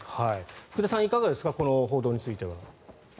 福田さん、いかがですかこの報道については。